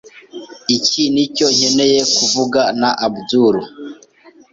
Iki nicyo nkeneye kuvugana na Abdul.